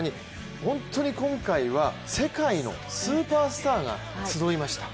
本当に今回は、世界のスーパースターが集いました。